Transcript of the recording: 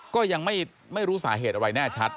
ก็ยังไม่รู้สาเหตุอะไรแน่ชัด